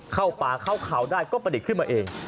เข้าป่าเข้าเขาได้ก็ประดิษฐ์ขึ้นมาเอง